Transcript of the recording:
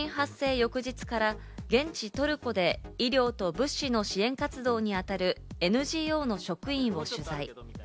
翌日から現地トルコで医療と物資の支援活動にあたるＮＧＯの職員を取材。